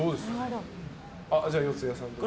じゃあ、四谷さんどうぞ。